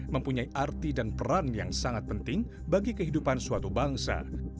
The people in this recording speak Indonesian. mempunyai arti dan peran yang sangat penting bagi kehidupan suatu bangsa